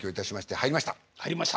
入りました！